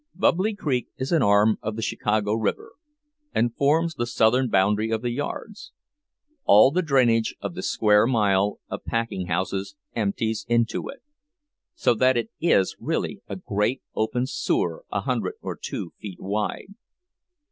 "Bubbly Creek" is an arm of the Chicago River, and forms the southern boundary of the yards: all the drainage of the square mile of packing houses empties into it, so that it is really a great open sewer a hundred or two feet wide.